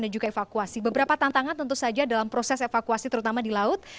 juga evakuasi beberapa tantangan tentu saja dalam proses evakuasi terutama di laut